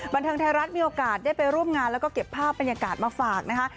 บันเทิงไทยรัฐมีโอกาสได้ไปร่วมงานแล้วก็เก็บภาพบรรยากาศมาฝากนะคะ